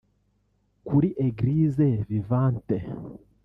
kuri Eglise Vivante